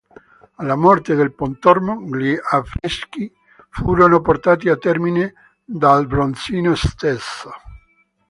Alla morte del Pontormo gli affreschi furono portati a termine dal Bronzino stesso.